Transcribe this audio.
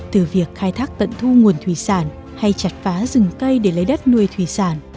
từ việc khai thác tận thu nguồn thủy sản hay chặt phá rừng cây để lấy đất nuôi thủy sản